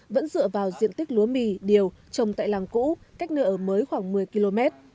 vẫn dựa vào diện tích lúa mì điều trồng tại làng cũ cách nơi ở mới khoảng một mươi km